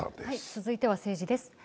続いては政治です。